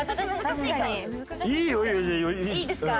いいですか？